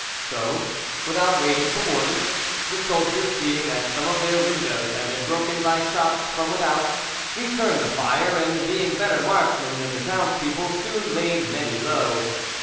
So, without waiting for orders, the soldiers, seeing that some of their windows had been broken by shots from without, returned the fire, and, being better marksmen than the townspeople, soon laid many low.